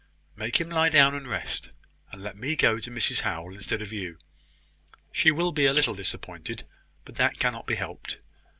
"Make him lie down and rest, and let me go to Mrs Howell instead of you. She will be a little disappointed; but that cannot be helped.